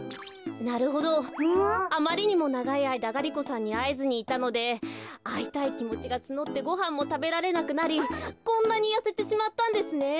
なるほどあまりにもながいあいだガリ子さんにあえずにいたのであいたいきもちがつのってごはんもたべられなくなりこんなにやせてしまったんですね。